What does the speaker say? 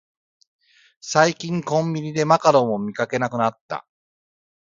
最近コンビニでマカロンを見かけなくなった